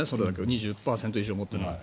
２１％以上持っていれば。